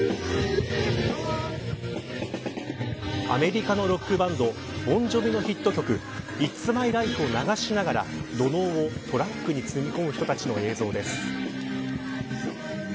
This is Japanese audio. アメリカのロックバンドボン・ジョヴィのヒット曲イッツ・マイ・ライフを流しながら土のうをトラックに詰め込む人たちの映像です。